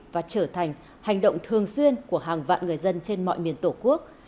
và trở thành hành động thường xuyên của hàng vạn người dân trên mọi miền tổ quốc